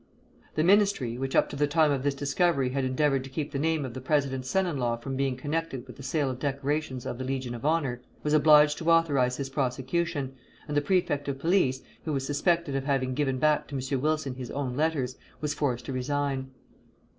The Ministry, which up to the time of this discovery had endeavored to keep the name of the president's son in law from being connected with the sale of decorations of the Legion of Honor, was obliged to authorize his prosecution; and the Prefect of Police, who was suspected of having given back to M. Wilson his own letters, was forced to resign.